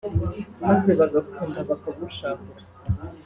maze bagakunda bakagushahura